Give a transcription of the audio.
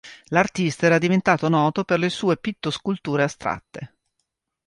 L'artista era diventato noto per le sue pitto-sculture astratte.